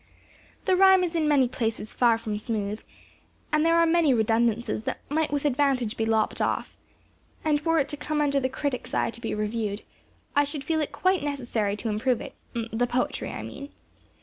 The rhyme is in many places far from smooth, and there are many redundances that might with advantage be lopped off; and were it to come under the critic's eye to be reviewed, I should feel it quite necessary to improve it, (the poetry, I mean.)